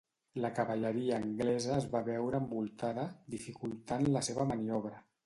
La cavalleria anglesa es va veure envoltada, dificultant la seva maniobra.